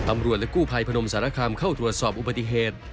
ตำรวจและกู้ภัยพนมสารคามเข้าตรวจสอบอุบัติเหตุ